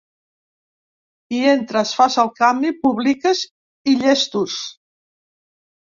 Hi entres, fas el canvi, publiques i llestos!